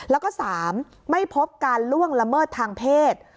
แล้วก็๓ไม่พบการล่วงละเมิดทางเพศ